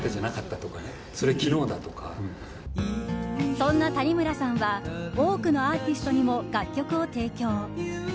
そんな谷村さんは多くのアーティストにも楽曲を提供。